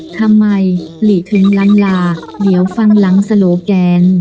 หลีถึงลันลาเดี๋ยวฟังหลังสโลแกน